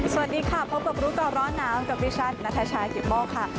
สวัสดีค่ะพบกับบรุษก่อนร้อนน้ำกับพิชันนาทัยชายถิ่นโม่ค่ะ